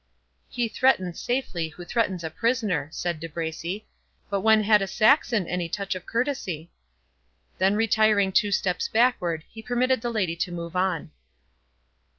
"He threatens safely who threatens a prisoner," said De Bracy; "but when had a Saxon any touch of courtesy?" Then retiring two steps backward, he permitted the lady to move on.